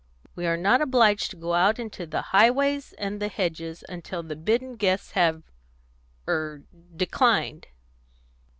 We are not obliged to go out into the highways and the hedges until the bidden guests have er declined."